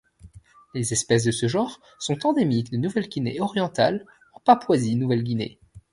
Les espèces de ce genre sont endémiques de Nouvelle-Guinée orientale en Papouasie-Nouvelle-Guinée.